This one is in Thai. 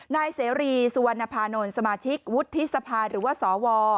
นายเสรีสุวรรณภานนท์สมาชิกวุฒิสภาหรือว่าสว